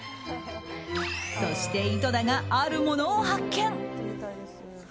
そして、井戸田があるものを発見。